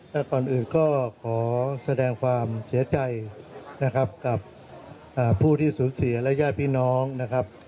แต่ก่อนอื่นก็ขอแสดงความเสียใจนะครับกับผู้ที่สูญเสียและญาติพี่น้องนะครับ